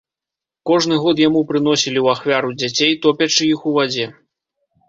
Кожны год яму прыносілі ў ахвяру дзяцей, топячы іх у вадзе.